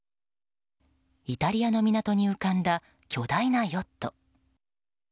イタリアの港に浮かんだ巨大なヨット。